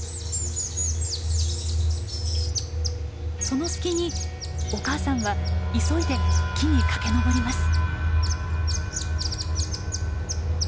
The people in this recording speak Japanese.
その隙にお母さんは急いで木に駆け登ります。